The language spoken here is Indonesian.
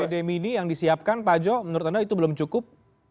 apd mini yang disiapkan pak jo menurut anda itu belum cukup